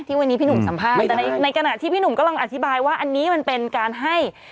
วันนี้พี่หนุ่มสัมภาษณ์แต่ในขณะที่พี่หนุ่มกำลังอธิบายว่าอันนี้มันเป็นการให้